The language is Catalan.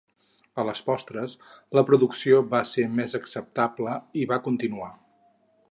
A les postres, la producció va ser més acceptable i va continuar.